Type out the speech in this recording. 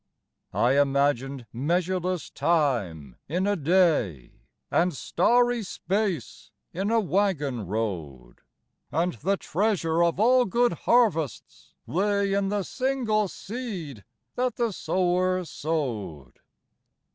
I imagined measureless time in a day, And starry space in a waggon road, And the treasure of all good harvests lay In the single seed that the sower sowed.